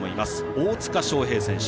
大塚祥平選手。